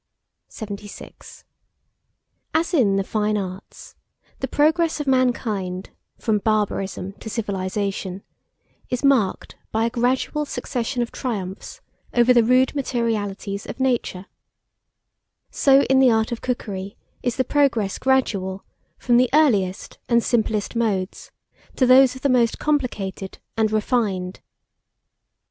76. AS IN THE FINE ARTS, the progress of mankind from barbarism to civilization is marked by a gradual succession of triumphs over the rude materialities of nature, so in the art of cookery is the progress gradual from the earliest and simplest modes, to those of the most complicated and refined.